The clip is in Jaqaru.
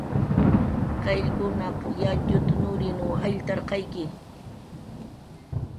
Qayllkunaq yatxut nurinw jayllarqayki